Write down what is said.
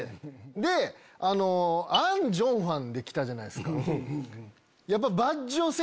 でアン・ジョンファンで来たじゃないですか。